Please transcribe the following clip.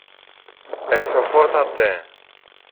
Εξοχώτατε!